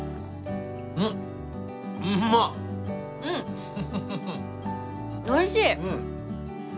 うん、おいしい。